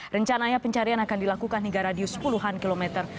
rencana ya pencarian akan dilakukan hingga radius puluhan kilometer